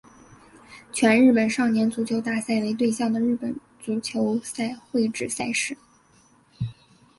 全日本少年足球大赛为对象的日本足球赛会制赛事。